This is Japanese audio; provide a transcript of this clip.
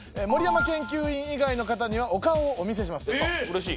盛山研究員以外の方にはお顔をお見せします。